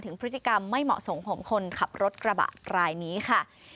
พฤติกรรมไม่เหมาะสมของคนขับรถกระบะรายนี้ค่ะ